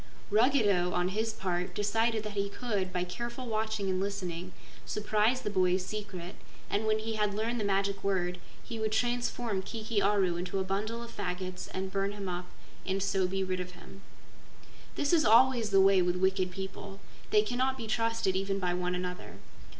Ruggedo, on his part, decided that he could, by careful watching and listening, surprise the boy's secret, and when he had learned the magic word he would transform Kiki Aru into a bundle of faggots and burn him up and so be rid of him. This is always the way with wicked people. They cannot be trusted even by one another.